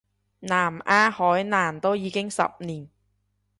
南丫海難都已經十年